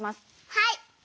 はい！